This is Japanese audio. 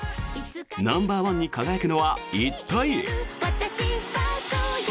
ナンバーワンに輝くのは一体？